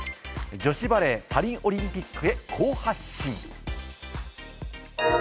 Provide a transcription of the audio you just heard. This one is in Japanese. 女子バレー、パリオリンピックへ好発進。